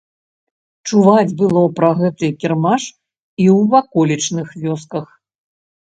Чуваць было пра гэты кірмаш і ў ваколічных вёсках.